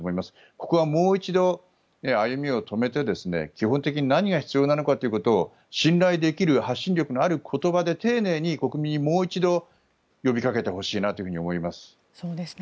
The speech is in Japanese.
ここはもう一度、歩みを止めて基本的に何が必要なのかということを信頼できる発信力のある言葉で丁寧に国民にもう一度呼びかけてほしいなと思います。